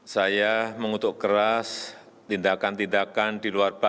saya mengutuk keras tindakan tindakan di luar bangsa